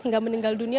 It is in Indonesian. hingga meninggal dunia